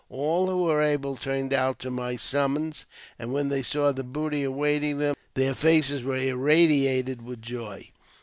All who were able turned out to my summons; and when they saw the booty awaiting them, their faces were irradiated with joy.